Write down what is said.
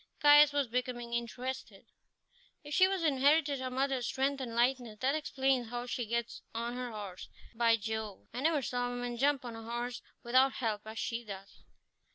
Caius was becoming interested. "If she has inherited her mother's strength and lightness, that explains how she gets on her horse. By Jove! I never saw a woman jump on a horse without help as she does."